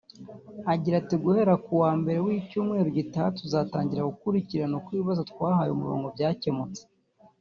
Agira ati “Guhera ku wa mbere w’icyumweru gitaha tuzatangira gukurikirana uko ibibazo twahaye umurongo byakemutse